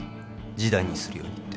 示談にするようにって